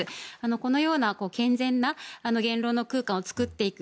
このような健全な言論の空間を作っていく。